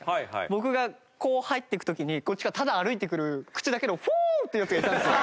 僕がこう入っていく時にこっちからただ歩いてくる口だけの「フォー！」ってヤツがいたんですよ。